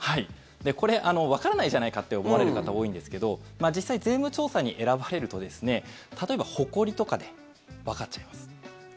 これわからないじゃないかって思われる方、多いんですけど実際、税務調査に選ばれると例えば、ほこりとかでわかっちゃいます。